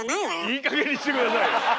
いいかげんにして下さいよ！